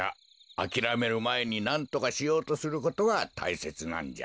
あきらめるまえになんとかしようとすることがたいせつなんじゃ。